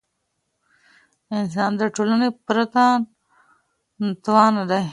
انسان د ټولني پرته ناتوان دی.